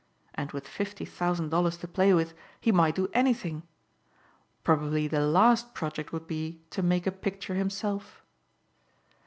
And with fifty thousand dollars to play with he might do anything. Probably the last project would be to make a picture himself.